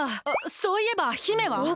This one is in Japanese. あそういえば姫は！？